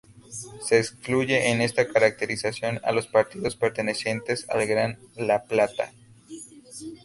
Se excluye en esta caracterización a los partidos pertenecientes al Gran La Plata.